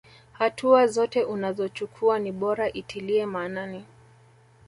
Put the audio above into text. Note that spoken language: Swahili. Hatua zote unazochukuwa ni bora itilie maanani.